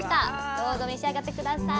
どうぞ召し上がって下さい。